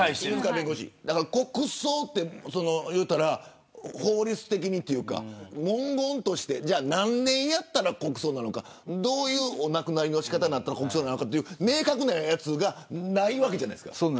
だから、国葬って法律的にというか、文言としてじゃあ、何年やったら国葬なのかどういうお亡くなりの仕方だったら国葬なのかという明確なやつがないわけじゃないですか。